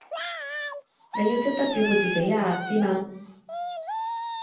你要識得照顧自己啊，知嘛？